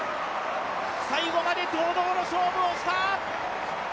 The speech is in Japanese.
最後まで堂々の勝負をした！